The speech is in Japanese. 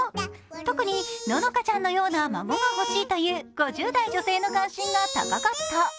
特に乃々佳ちゃんのような孫が欲しいという５０代女性の関心が高かった。